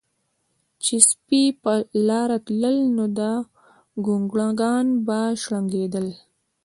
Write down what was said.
چې سپي به پۀ لاره تلل نو دا ګونګروګان به شړنګېدل